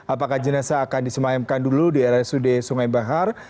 apakah jenazah akan disemayamkan dulu di rsud sungai bahar